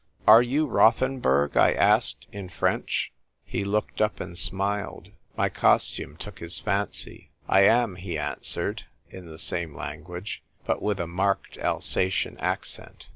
" Are you Rothenburg ?" I asked, in French. He looked up and smiled. My costume took his fancy. " I am," he answered in the same language, but with a marked Alsatian accent.